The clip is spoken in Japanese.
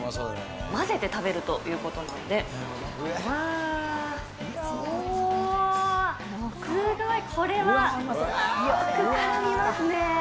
混ぜて食べるということなので、おわー、すごい、これは、よくからみますね。